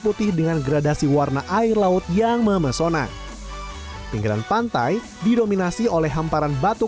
putih dengan gradasi warna air laut yang memesona pinggiran pantai didominasi oleh hamparan batu